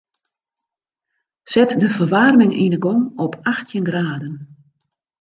Set de ferwaarming yn 'e gong op achttjin graden.